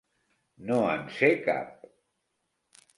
No en sé cap.